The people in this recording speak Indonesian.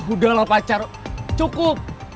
udah lah pacar cukup